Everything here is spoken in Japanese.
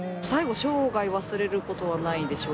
「生涯忘れることはないでしょう」